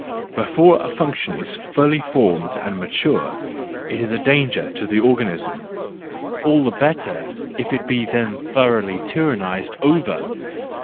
Before a function is fully formed and matured, it is a danger to the organism: all the better if it be then thoroughly tyrannised over!